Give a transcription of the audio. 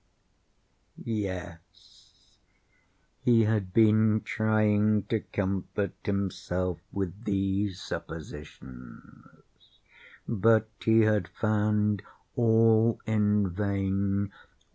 Yes, he had been trying to comfort himself with these suppositions: but he had found all in vain.